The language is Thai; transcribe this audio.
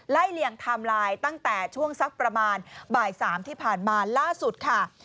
เลี่ยงไทม์ไลน์ตั้งแต่ช่วงสักประมาณบ่าย๓ที่ผ่านมาล่าสุดค่ะ